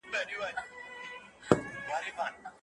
ما په تنکیواله کي نازکخیاله مطالعه پیل کړه.